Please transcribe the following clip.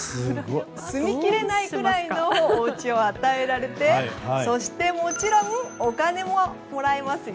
住み切れないくらいのおうちを与えられてそしてもちろんお金ももらいますよ。